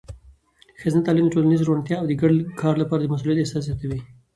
ښځینه تعلیم د ټولنیزې روڼتیا او د ګډ کار لپاره د مسؤلیت احساس زیاتوي.